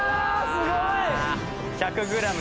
すごい！